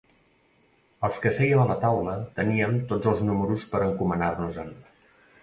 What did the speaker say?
Els que sèiem a taula teníem tots els números per encomanar-nos-en.